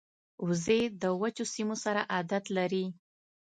وزې د وچو سیمو سره عادت لري